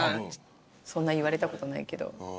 そんな言われたことないけど。